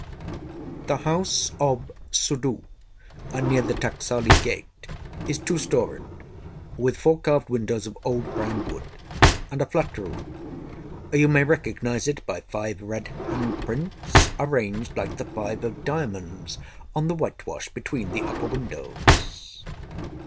The house of Suddhoo, near the Taksali Gate, is two storied, with four carved windows of old brown wood, and a flat roof. You may recognize it by five red hand prints arranged like the Five of Diamonds on the whitewash between the upper windows.